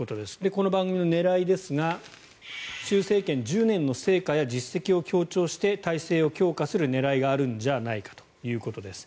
この番組の狙いですが習政権、１０年の成果や実績を強調して体制を強化する狙いがあるんじゃないかということです。